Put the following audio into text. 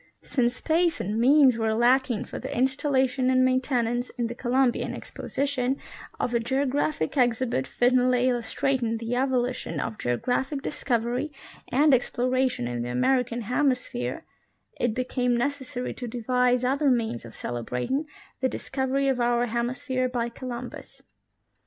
Since space and means were lacking for the installation and main tenance in the Columbian Exposition of a geographic exhibit fittingly illustrating the evolution of geographic discovery and exploration in the American hemisphere, it became necessary to devise other means of celebrating the discovery of our hemis phere by Columbus.